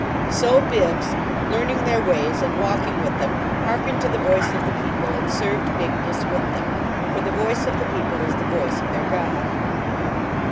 So Bibbs, learning their ways and walking with them, harkened to the voice of the people and served Bigness with them. For the voice of the people is the voice of their god.